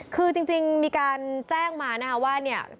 คือจริงมีการแจ้งมานะคะว่าเนี่ย